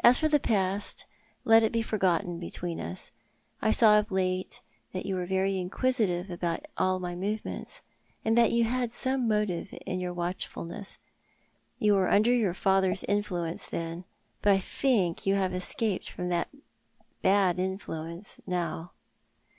As for the past, let it be forgotten between us. I saw of late that you were very inqiaisitive about all my movements, and that you had some motive in your watchfulness. You were under your father's influence then ; but I think you have escaped from that bad influence now."